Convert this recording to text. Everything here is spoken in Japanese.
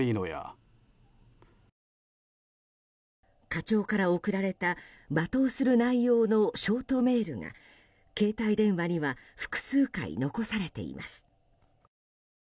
課長から送られた罵倒する内容のショートメールが、携帯電話には複数回残されています。